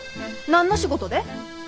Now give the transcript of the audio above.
何の仕事で？